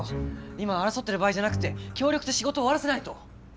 今は争ってる場合じゃなくて協力して仕事を終わらせないと。